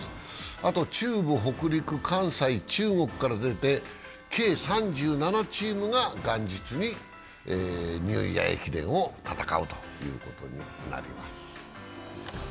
あとは中部、北陸、関西、中国から出て計３７チームが元日にニューイヤー駅伝を戦うことになります。